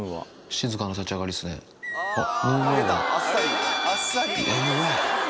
静かな立ち上がりですねあっ。